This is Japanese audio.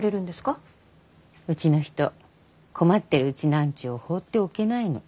うちの人困ってるウチナーンチュを放っておけないの。